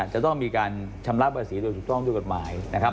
จะต้องมีการชำระภาษีโดยถูกต้องด้วยกฎหมายนะครับ